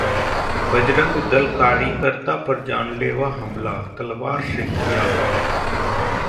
बजरंग दल कार्यकर्ता पर जानलेवा हमला, तलवार से किया वार